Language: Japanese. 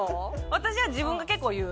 私は自分が結構言う。